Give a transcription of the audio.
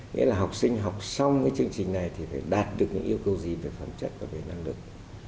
nghĩa là học sinh học xong cái chương trình này thì phải đạt được những yêu cầu gì về phẩm chất và về năng lực